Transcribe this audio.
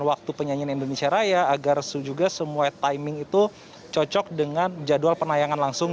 waktu penyanyian indonesia raya agar juga semua timing itu cocok dengan jadwal penayangan langsung